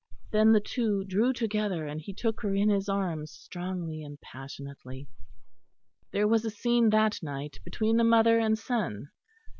Then the two drew together, and he took her in his arms strongly and passionately. There was a scene that night between the mother and son.